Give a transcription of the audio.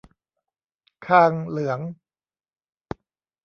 คางเหลือง